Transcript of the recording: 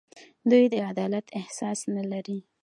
دوی د عدالت احساس نه لري.